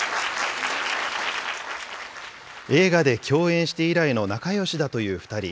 映画で共演して以来の仲よしだという２人。